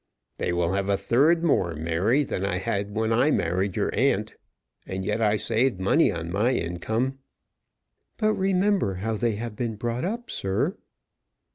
"They will have a third more, Mary, than I had when I married your aunt. And yet I saved money on my income." "But remember how they have been brought up, sir."